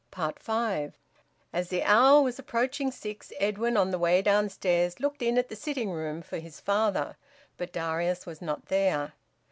FIVE. As the hour was approaching six, Edwin, on the way downstairs, looked in at the sitting room for his father; but Darius was not there.